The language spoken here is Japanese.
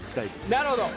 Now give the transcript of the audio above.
なるほど。